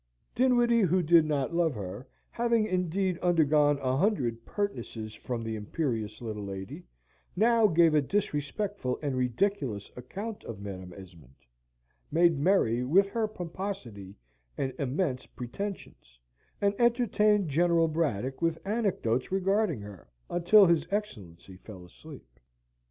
Dinwiddie, who did not love her, having indeed undergone a hundred pertnesses from the imperious little lady, now gave a disrespectful and ridiculous account of Madam Esmond, made merry with her pomposity and immense pretensions, and entertained General Braddock with anecdotes regarding her, until his Excellency fell asleep.